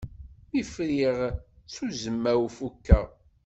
Mi friɣ ttuzma-w fukeɣ.